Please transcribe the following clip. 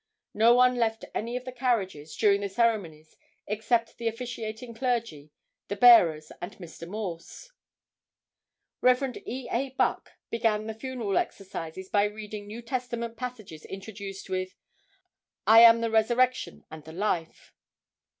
No one left any of the carriages during the ceremonies except the officiating clergy, the bearers and Mr. Morse. [Illustration: MRS. CHURCHILL.] Rev. E. A. Buck began the funeral exercises by reading New Testament passages introduced with "I am the resurrection and the life."